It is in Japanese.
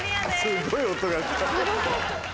すごい音がした。